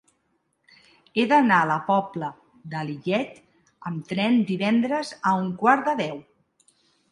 He d'anar a la Pobla de Lillet amb tren divendres a un quart de deu.